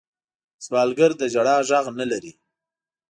سوالګر د ژړا غږ نه لري